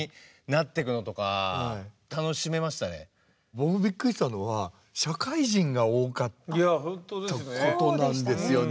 僕びっくりしたのは社会人が多かったことなんですよね。